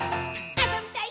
あそびたい！」